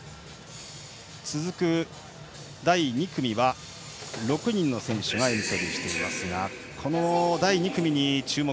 続く第２組は６人の選手がエントリーしていますがこの第２組に、注目